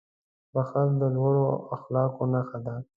• بښل د لوړو اخلاقو نښه ده.